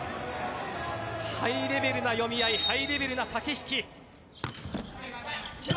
ハイレベルな読み合いハイレベルな駆け引き。